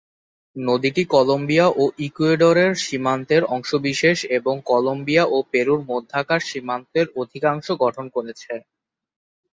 নদীটি কলম্বিয়া ও ইকুয়েডরের সীমান্তের অংশবিশেষ এবং কলম্বিয়া ও পেরুর মধ্যকার সীমান্তের অধিকাংশ গঠন করেছে।